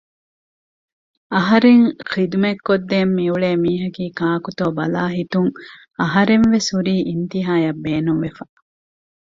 އަހަރެން ހިދުމަތް ކޮށްދެން މިއުޅޭ މީހަކީ ކާކުތޯ ބަލާލާހިތުން އަހަރެންވެސް ހުރީ އިންތިހާޔަށް ބޭނުންވެފަ